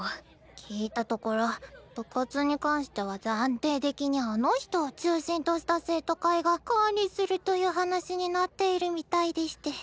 聞いたところ部活に関しては暫定的にあの人を中心とした生徒会が管理するという話になっているみたいでして。